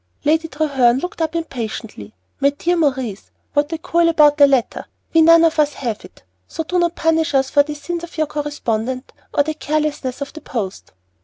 Lady Treherne looked up impatiently. "My dear Maurice, what a coil about a letter! We none of us have it, so do not punish us for the sins of your correspondent or the carelessness of the post."